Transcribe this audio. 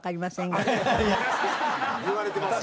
言われてますね。